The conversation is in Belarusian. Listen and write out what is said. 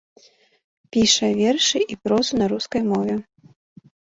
Піша вершы і прозу на рускай мове.